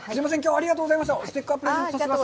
ありがとうございます。